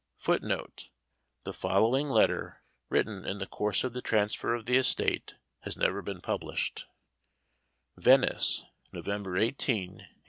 [Footnote: The following letter, written in the course of the transfer of the estate, has never been published: Venice, November 18, 1818.